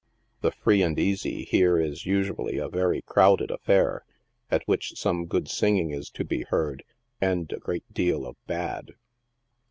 The " free and easy" here is usually a very crowded af fair, at which some good singing i3 to be heard, and a great deal of bad.